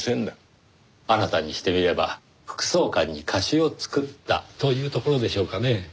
あなたにしてみれば副総監に貸しを作ったというところでしょうかねぇ。